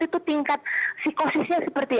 itu tingkat psikosisnya seperti